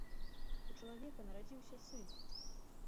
У чалавека нарадзіўся сын.